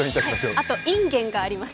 あとインゲンがあります。